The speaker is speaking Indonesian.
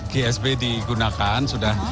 gsb digunakan sudah